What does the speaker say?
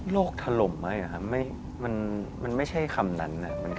โลกถล่มไหมคะมันไม่ใช่คำนั้น